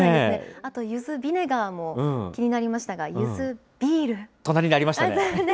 あとゆずビネガーも気になりまし隣にありましたね。